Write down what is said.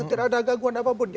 tidak ada gangguan apapun